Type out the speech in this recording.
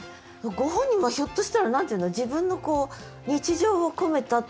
ご本人もひょっとしたら何て言うの自分の日常をこめたっていう。